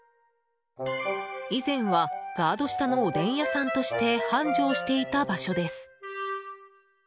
以前はガード下のおでん屋さんとして繁盛していた場所です。